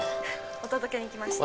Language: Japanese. お届けに来ました。